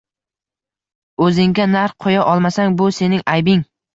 O‘zingga narx qo‘ya olmasang, bu sening aybing.